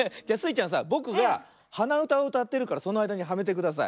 ちゃんさぼくがはなうたをうたってるからそのあいだにはめてください。